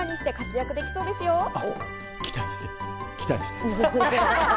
期待して、期待して。